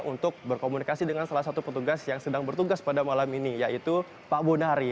untuk berkomunikasi dengan salah satu petugas yang sedang bertugas pada malam ini yaitu pak bonari